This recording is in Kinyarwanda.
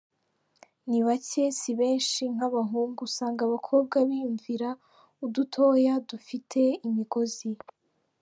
Ni bake si benshi nk’abahungu, usanga abakobwa biyumvira udutoya dufite imigozi.